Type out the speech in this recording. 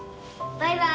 バイバーイ！